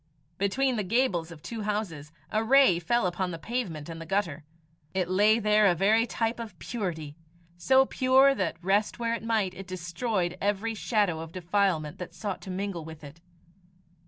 Between the gables of two houses, a ray fell upon the pavement and the gutter. It lay there a very type of purity, so pure that, rest where it might, it destroyed every shadow of defilement that sought to mingle with it.